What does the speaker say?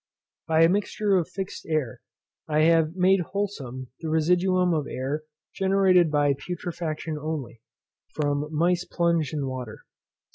By a mixture of fixed air I have made wholesome the residuum of air generated by putrefaction only, from mice plunged in water.